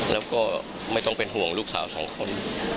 แล้วก็ไม่ต้องเป็นห่วงลูกสาวสองคน